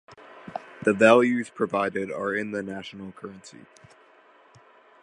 The values provided are in the national currency.